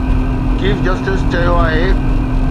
Chief justice چيو آهي.